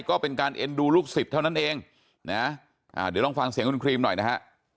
ก็เป็นการเอ็นดูลูกศิษย์เท่านั้นเองนะเดี๋ยวลองฟังเสียงคุณครีมหน่อยนะฮะ